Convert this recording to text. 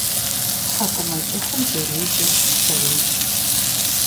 ТхьэкӀумэкӀыхым зэреджэр Лъэрейт